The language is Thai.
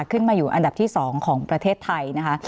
ขึ้นมาอยู่อันดับที่๒ของประเทศไทยนะคะ